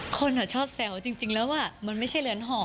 คนชอบแซวจริงแล้วมันไม่ใช่เรือนห่อ